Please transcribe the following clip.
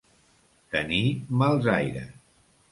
Tenir mals aires.